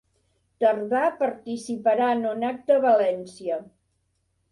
Tardà participarà en un acte a València